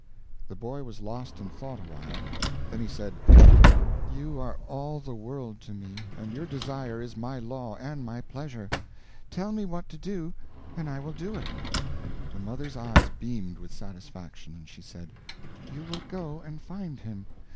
The boy was lost in thought awhile; then he said, "You are all the world to me, and your desire is my law and my pleasure. Tell me what to do and I will do it." The mother's eyes beamed with satisfaction, and she said, "You will go and find him.